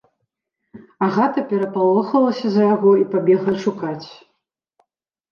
Агата перапалохалася за яго і пабегла шукаць.